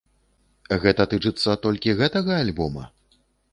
Гэта тычыцца толькі гэтага альбома?